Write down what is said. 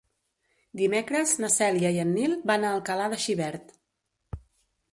Dimecres na Cèlia i en Nil van a Alcalà de Xivert.